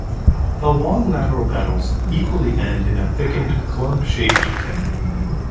The long, lateral petals equally end in a thickened club-shaped tip.